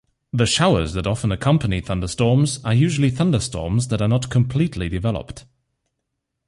The showers that often accompany thunderstorms are usually thunderstorms that are not completely developed.